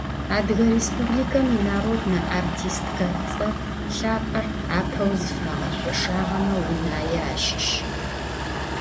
Адыгэ Республикэм инароднэ артисткэ цӀэ лъапӀэр апэу зыфагъэшъошагъэмэ Унае ащыщ.